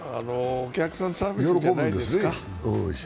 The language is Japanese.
お客さんサービスじゃないですか。